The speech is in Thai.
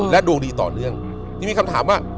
ดวงดีต่อเนื่องจึงมีคำถามว่า